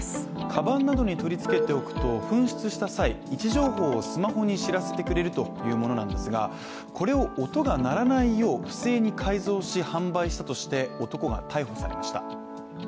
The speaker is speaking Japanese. かばんなどに取りつけておくと紛失した際、位置情報をスマホに知らせてくれるというものなんですがこれを音が鳴らないよう、不正に改造し販売したとして男が逮捕されました。